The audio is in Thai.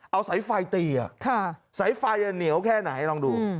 เอาสายไฟตีสายไฟเหนียวแค่ไหนลองดู